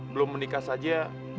belum menikah saja